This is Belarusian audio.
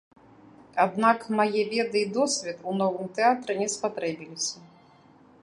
Аднак мае веды і досвед у новым тэатры не спатрэбіліся.